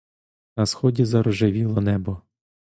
На сході зарожевіло небо.